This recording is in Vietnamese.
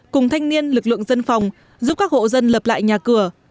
cùng thanh niên lực lượng dân phòng giúp các hộ dân lập lại nhà cửa